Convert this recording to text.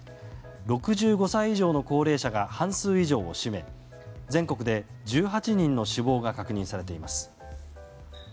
６５歳以上の高齢者が半数以上を占め全国で１８人の死亡が確認されています。